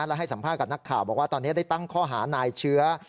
และให้สัมภาษณ์กับนักข่าวบอกว่าตอนนี้ได้ตั้งข้อหานายเชื้อ